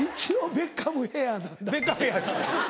ベッカムヘアです。